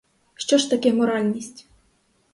Що ж таке моральність?